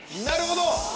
なるほど！